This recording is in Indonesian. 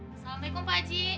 assalamu'alaikum pak haji